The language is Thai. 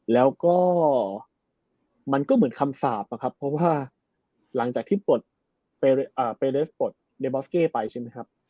แล้วก็มันก็เหมือนคำสาปอะครับเพราะว่าหลังจากที่ปลดเปเลสปลดเดบอสเก้ไปใช่ไหมครับ